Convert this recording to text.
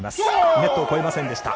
ネットを越えませんでした。